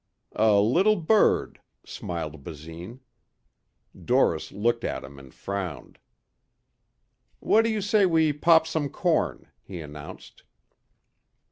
"A little bird," smiled Basine. Doris looked at him and frowned. "What do you say we pop some corn," he announced.